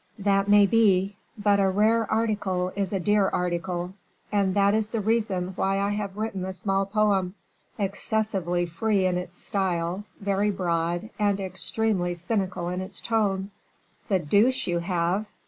"That may be; but a rare article is a dear article, and that is the reason why I have written a small poem, excessively free in its style, very broad, and extremely cynical in its tone." "The deuce you have!"